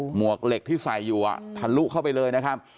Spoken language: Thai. หวกเหล็กที่ใส่อยู่ทะลุเข้าไปเลยนะครับ